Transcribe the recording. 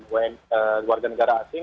warga negara asing